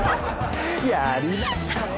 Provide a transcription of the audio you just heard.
やりましたね！